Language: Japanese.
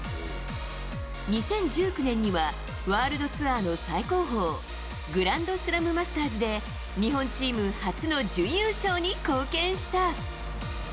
２０１９年にはワールドツアーの最高峰グランドスラム・マスターズで日本チーム初の準優勝に貢献した。